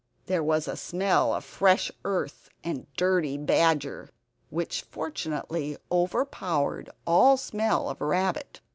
There was a smell of fresh earth and dirty badger, which fortunately overpowered all smell of rabbit.